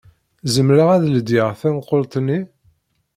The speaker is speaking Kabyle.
Zemreɣ ad ledyeɣ tankult-nni?